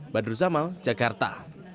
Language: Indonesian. badruz amal jakarta